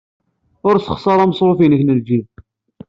Ur ssexṣar ameṣruf-nnek n ljib.